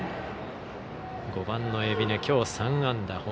５番の海老根、きょう３安打。